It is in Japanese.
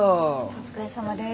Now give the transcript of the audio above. お疲れさまです。